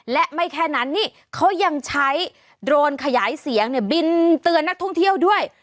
และไม่แค่นั้นนี่เขายังใช้โดรนขยายเสียงเนี่ยบินเตือนนักท่องเที่ยวด้วย